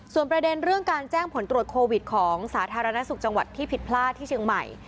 ส่วนประเด็นเรื่องการแจ้งผลตรวจโควิดของสาธารณสุขจังหวัดที่ผิดพลาดที่เชียงใหม่